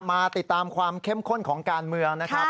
มาติดตามความเข้มข้นของการเมืองนะครับ